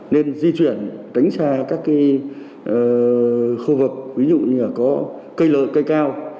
nên di chuyển đánh xa các khu vực ví dụ như là có cây lợi cây cao